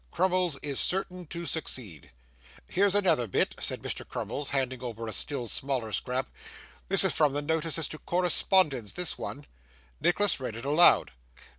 Crummles is certain to succeed.' 'Here's another bit,' said Mr. Crummles, handing over a still smaller scrap. 'This is from the notices to correspondents, this one.' Nicholas read it aloud.